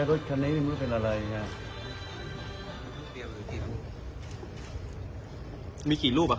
ทนรอบคันหรือยังฮะ